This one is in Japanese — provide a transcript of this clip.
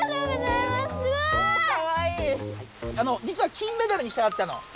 じつは金メダルにしたかったの。